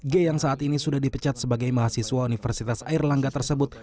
g yang saat ini sudah dipecat sebagai mahasiswa universitas airlangga tersebut